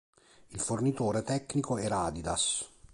Il fornitore tecnico era Adidas.